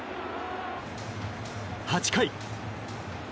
８回。